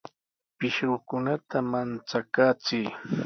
Pishqukunata manchakaachiy.